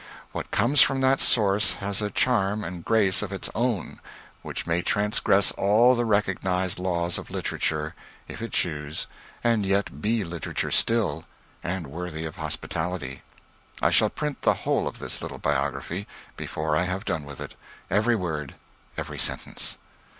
What comes from that source has a charm and grace of its own which may transgress all the recognized laws of literature, if it choose, and yet be literature still, and worthy of hospitality. I shall print the whole of this little biography, before I have done with it every word, every sentence.